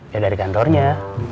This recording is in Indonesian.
ya dari kantornya